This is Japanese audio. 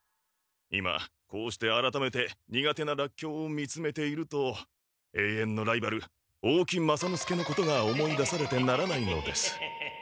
今こうして改めて苦手なラッキョウを見つめていると永遠のライバル大木雅之助のことが思い出されてならないのです。